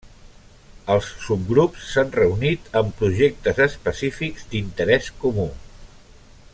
Els subgrups s'han reunit en projectes específics d'interès comú.